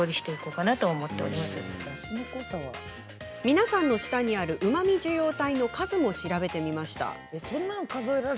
皆さんの舌にあるうまみ受容体の数も調べてみました。